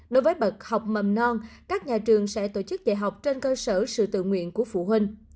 đối với bậc học mầm non các nhà trường sẽ tổ chức dạy học trên cơ sở sự tự nguyện của phụ huynh